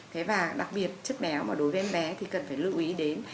thế và đặc biệt chất béo mà đối với em bé thì cần phải lưu ý đến